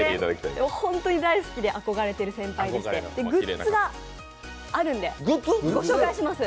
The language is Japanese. ホントに大好きで憧れている先輩でしてグッズがあるので、ご紹介します。